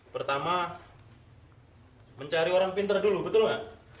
pertama mencari orang pinter dulu betul gak